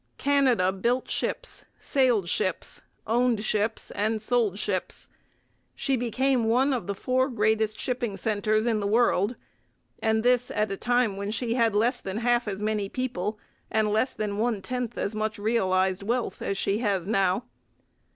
Canada built ships, sailed ships, owned ships, and sold ships. She became one of the four greatest shipping centres in the world; and this at a time when she had less than half as many people and less than one tenth as much realized wealth as she has now.